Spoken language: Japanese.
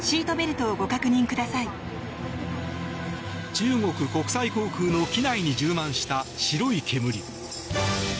中国国際航空の機内に充満した白い煙。